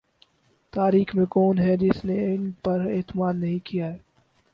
تاریخ میں کون ہے جس نے ان پر اعتماد نہیں کیا ہے۔